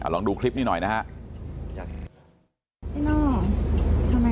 ลองดูคลิปนี้หน่อยนะครับ